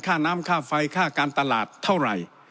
ค่าน้ำค่าไฟค่าการตลาดเท่าไหร่